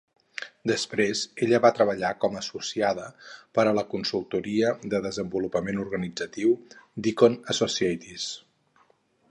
Després ella va treballar com a associada per a la consultoria de desenvolupament organitzatiu, Beacon Associates.